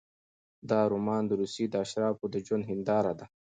دا رومان د روسیې د اشرافو د ژوند هینداره ده.